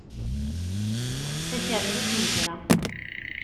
Takerza d tmegra.